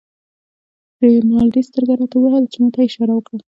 رینالډي سترګه راته ووهله چې ما ته یې اشاره وکړه.